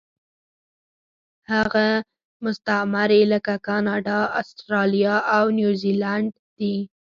هغه مستعمرې لکه کاناډا، اسټرالیا او نیوزیلینډ دي.